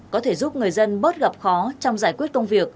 có thể giúp người dân bớt gặp khó trong giải quyết công việc